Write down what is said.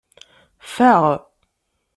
Faɣ.